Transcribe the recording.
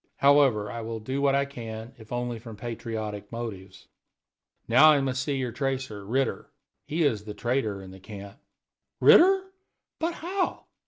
However, I will do what I can, if only from patriotic motives. Now, I must see your tracer, Ritter. He is the traitor in the camp." "Ritter? But how?"